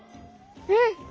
うん。